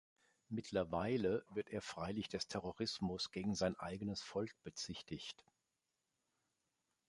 Mittlerweile wird er freilich des Terrorismus gegen sein eigenes Volk bezichtigt.